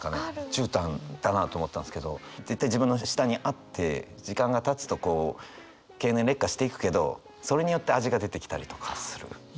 絨毯だなと思ったんですけど絶対自分の下にあって時間がたつとこう経年劣化していくけどそれによって味が出てきたりとかする。